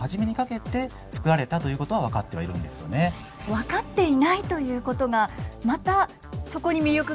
分かっていないということがまたそこに魅力がありますね。